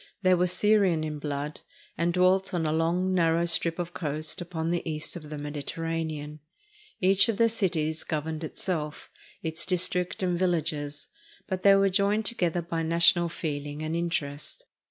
They were Syrian in blood, and dwelt on a long, narrow strip of coast upon the east of the Mediterranean. Each of their cities governed itself, its district, and villages; but they were joined together 422 SACRIFICE OF THE PEOPLE OF SAGUNTUIM by national feeling and interest.